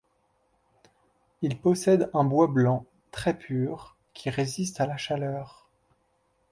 Il possède un bois blanc très pur qui résiste à la chaleur.